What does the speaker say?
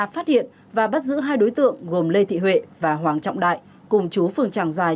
phát hiện và bắt giữ hai đối tượng gồm lê thị huệ và hoàng trọng đại cùng chú phường tràng giài